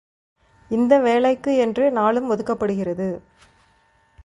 இந்த வேலைக்கு என்று நாளும் ஒதுக்கப்படுகிறது!